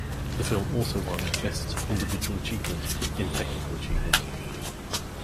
The film also won "Best Individual Achievement" in technical achievement.